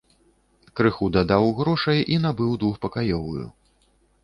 Крыху дадаў грошай і набыў двухпакаёвую.